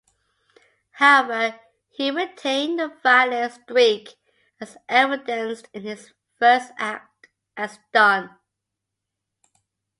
However, he retained a violent streak, as evidenced in his first act as Don.